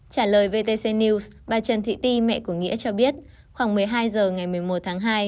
trả lời vtc news bà trần thị ti mẹ của nghĩa cho biết khoảng một mươi hai h ngày một mươi một tháng hai